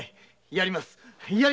やります！